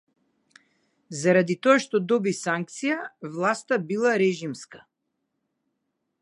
Заради тоа што доби санкција, власта била режимска